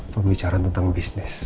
pembicaraan tentang bisnis